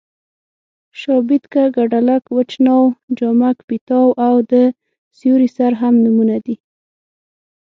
شابېتکه، کډلک، وچ ناو، جامک پېتاو او د سیوري سر هم نومونه دي.